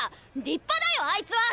立派だよあいつは！